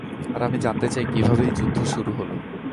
আর আমি জানতে চাই কীভাবে এই যুদ্ধ শুরু হলো।